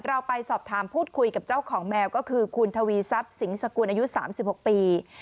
เราไปสอบถามพูดคุยกับเจ้าของแมวก็คือคุณทวีทรัพย์สิงสกุลอายุ๓๖ปี